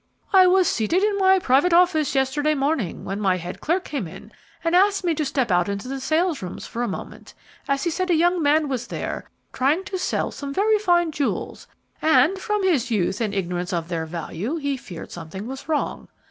"I was seated in my private office yesterday morning, when my head clerk came in and asked me to step out into the salesrooms for a moment, as he said a young man was there trying to sell some very fine jewels, and, from his youth and his ignorance of their value, he feared something was wrong.